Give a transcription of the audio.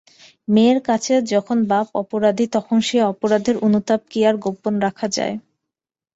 মেয়ের কাছে যখন বাপ অপরাধী তখন সে অপরাধের অনুতাপ কি আর গোপন রাখা যায়।